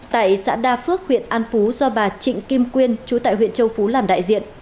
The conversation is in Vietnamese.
tại xã đa phước huyện an phú do bà trịnh kim quyên chú tại huyện châu phú làm đại diện